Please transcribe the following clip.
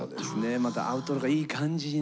またアウトロがいい感じにね